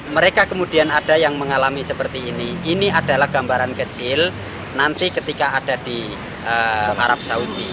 mereka kemudian ada yang mengalami seperti ini ini adalah gambaran kecil nanti ketika ada di arab saudi